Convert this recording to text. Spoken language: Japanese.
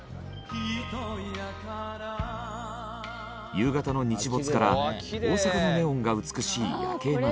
夕方の日没から大阪のネオンが美しい夜景まで。